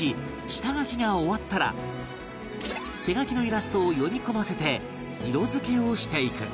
下描きが終わったら手描きのイラストを読み込ませて色付けをしていく